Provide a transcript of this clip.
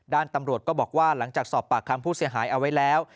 ด้านตำรวจก็บอกว่าหลังจากสอบปากคำผู้เสียหายเอาไว้แล้ว